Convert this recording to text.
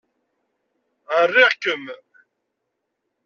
Riɣ-kem!